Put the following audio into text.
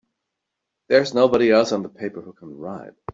There's nobody else on the paper who can write!